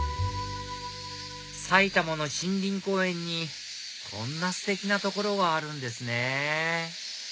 埼玉の森林公園にこんなステキな所があるんですね